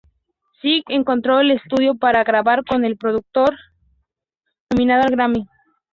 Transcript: Skillet entró al estudio para grabar con el productor nominado al Grammy Howard Benson.